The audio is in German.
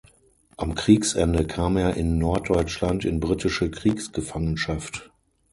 Am Kriegsende kam er in Norddeutschland in britische Kriegsgefangenschaft.